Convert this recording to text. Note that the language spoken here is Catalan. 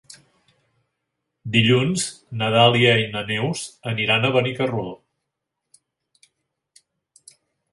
Dilluns na Dàlia i na Neus aniran a Benicarló.